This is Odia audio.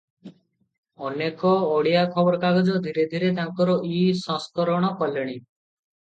ଅନେକ ଓଡ଼ିଆ ଖବରକାଗଜ ଧୀରେ ଧୀରେ ତାଙ୍କର ଇ-ସଂସ୍କରଣ କଲେଣି ।